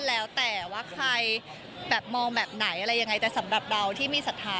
แล้วแต่ว่าใครมองแบบไหนแต่สำหรับเราที่มีสัทธา